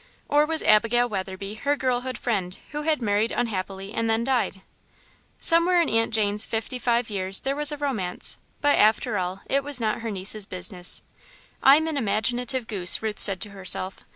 Or was Abigail Weatherby her girlhood friend, who had married unhappily, and then died? Somewhere in Aunt Jane's fifty five years there was a romance, but, after all, it was not her niece's business. "I'm an imaginative goose," Ruth said to herself.